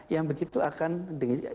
yang begitu akan di